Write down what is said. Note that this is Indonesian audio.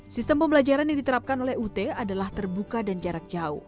sistem pembelajaran yang diterapkan oleh ut adalah terbuka dan jarak jauh